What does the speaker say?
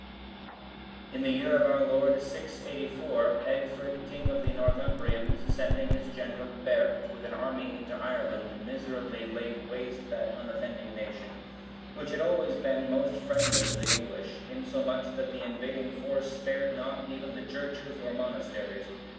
D.] In the year of our Lord 684, Egfrid, king of the Northumbrians, sending his general, Berct,(720) with an army into Ireland, miserably laid waste that unoffending nation, which had always been most friendly to the English; insomuch that the invading force spared not even the churches or monasteries.